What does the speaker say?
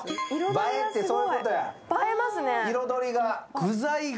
映えってそういうことや、彩りが。